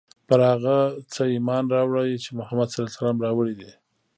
پر هغه څه ایمان راوړی چې محمد ص راوړي دي.